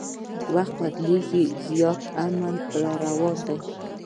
وخت بدلیږي زیاتي امن راروان دی